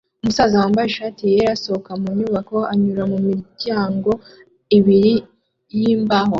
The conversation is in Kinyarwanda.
Umusaza wambaye ishati yera asohoka mu nyubako anyuze mu miryango ibiri yimbaho